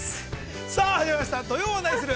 さあ始まりました、「土曜はナニする！？」。